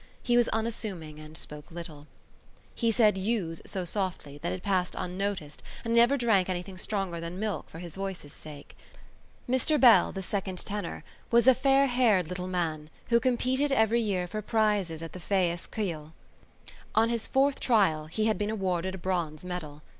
He was unassuming and spoke little. He said yous so softly that it passed unnoticed and he never drank anything stronger than milk for his voice's sake. Mr Bell, the second tenor, was a fair haired little man who competed every year for prizes at the Feis Ceoil. On his fourth trial he had been awarded a bronze medal.